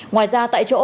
ngoài ra tại chỗ